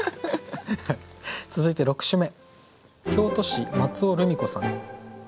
続いて６首目。